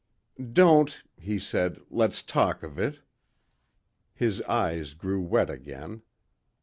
"Don't," he said, "lets talk of it." His eyes grew wet again.